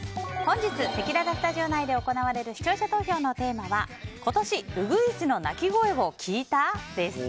本日せきららスタジオ内で行われる視聴者投票のテーマは今年ウグイスの鳴き声を聞いた？です。